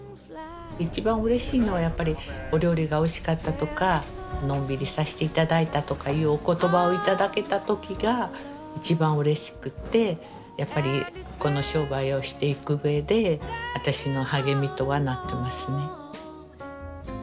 一番うれしいのはやっぱりお料理がおいしかったとかのんびりさして頂いたとかいうお言葉を頂けた時が一番うれしくてやっぱりこの商売をしていくうえで私の励みとはなってますね。